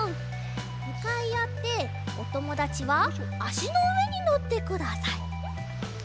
むかいあっておともだちはあしのうえにのってください。